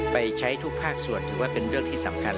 ไปใช้ทุกภาคส่วนถือว่าเป็นเรื่องที่สำคัญ